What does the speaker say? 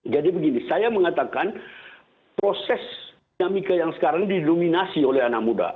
jadi begini saya mengatakan proses dinamika yang sekarang didiluminasi oleh anak muda